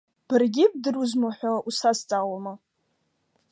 Баргьы ибдыруазма ҳәа, усзаҵаауама?